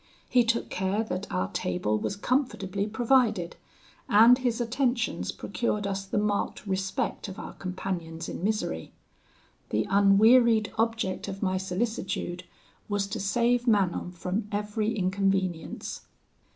He took care that our table was comfortably provided; and his attentions procured us the marked respect of our companions in misery. The unwearied object of my solicitude was to save Manon from every inconvenience.